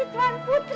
itu dong kenapa